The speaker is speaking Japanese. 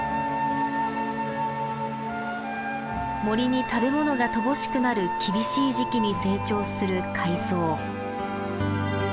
森に食べ物が乏しくなる厳しい時期に成長する海藻。